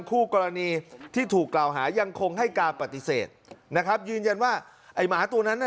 คู่กรณีที่ถูกกล่าวหายังคงให้การปฏิเสธนะครับยืนยันว่าไอ้หมาตัวนั้นน่ะ